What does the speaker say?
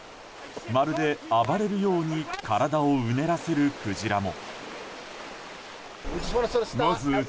まるで暴れるように体をうねらせるクジラも。